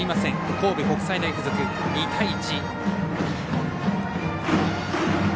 神戸国際大付属、２対１。